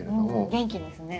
元気ですね。